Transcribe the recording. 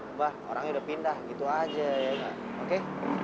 mbah orangnya udah pindah gitu aja ya nggak oke